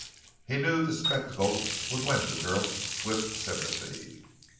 He knew that spectacle would win the girl's swift sympathy.